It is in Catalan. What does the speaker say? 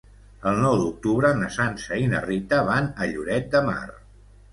El nou d'octubre na Sança i na Rita van a Lloret de Mar.